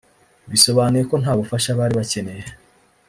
ibisobanuye ko nta bufasha bari bakeneye